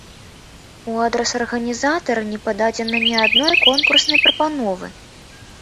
У адрас арганізатара не пададзена ні адной конкурснай прапановы.